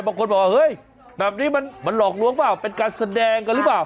บางคนบอกเฮ้ยแบบนี้มันหลอกลวงเปล่าเป็นการแสดงกันหรือเปล่า